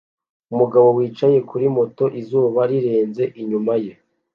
umugabo wicaye kuri moto izuba rirenze inyuma ye